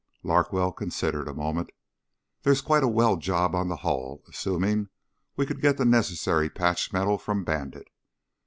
Larkwell considered a moment. "There's quite a weld job on the hull, assuming we could get the necessary patch metal from Bandit.